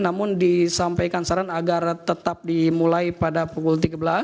namun disampaikan saran agar tetap dimulai pada pukul tiga belas